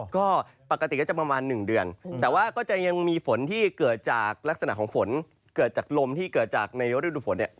ก็ปกติก็จะประมาณ๑เดือนแต่ว่าก็จะยังมีฝนที่เกิดจากลักษณะของฝนเกิดจากลมที่เกิดจากในฤดูฝนเนี่ย